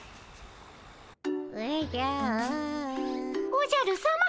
おじゃるさま